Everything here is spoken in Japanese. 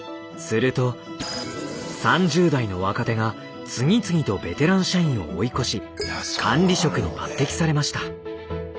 すると３０代の若手が次々とベテラン社員を追い越し管理職に抜てきされました。